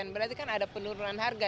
berarti kan ada penurunan harga